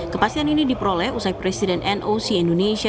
kepastian ini diperoleh usai presiden noc indonesia